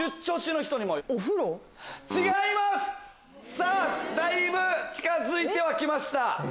さぁだいぶ近づいては来ました。